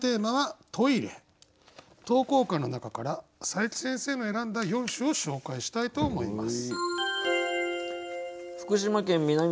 投稿歌の中から佐伯先生の選んだ４首を紹介したいと思います。